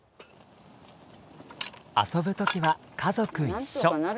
遊ぶときは家族一緒。